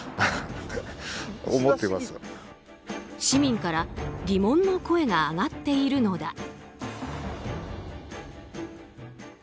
市民から疑問の声が上がっているのだ。